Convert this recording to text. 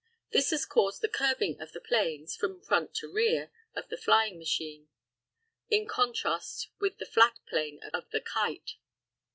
This has caused the curving of the planes (from front to rear) of the flying machine, in contrast with the flat plane of the kite.